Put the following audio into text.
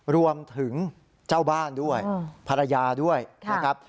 รวมถึงเจ้าบ้านด้วยภรรยาด้วยนะครับ